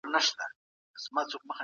ایا ملي بڼوال وچ انار ساتي؟